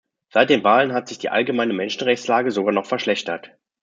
Seit den Wahlen hat sich die allgemeine Menschenrechtslage sogar noch verschlechtert.